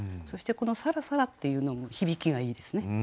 そしてこの「さらさら」っていうのも響きがいいですね。